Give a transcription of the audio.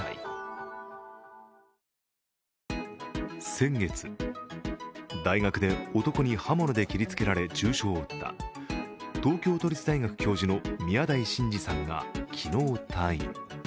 先月、大学で男に刃物で切りつけられ、重傷を負った東京都立大学教授の宮台真司さんが昨日退院。